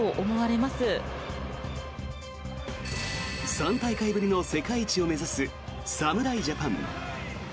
３大会ぶりの世界一を目指す侍ジャパン。